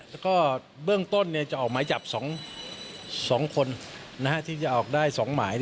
แล้วก็เบื้องต้นจะออกหมายจับ๒คนที่จะออกได้๒หมาย